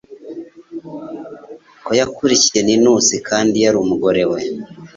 ko yakurikiye Ninus kandi yari umugore we